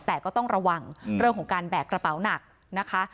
แต่ก็ต้องระวังเรื่องของการแบกกระเป๋าหนักนะคะ